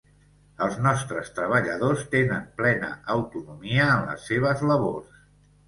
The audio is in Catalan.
Els nostres treballadors tenen plena autonomia en les seves labors.